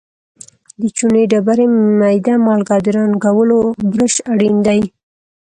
د چونې ډبرې، میده مالګه او د رنګولو برش اړین دي.